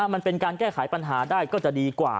มันเป็นการแก้ไขปัญหาได้ก็จะดีกว่า